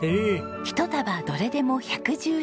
１束どれでも１１０円！